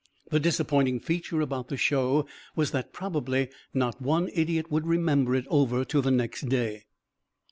The disappointing feature about the show was that probably not one idiot would remember it over to the next day.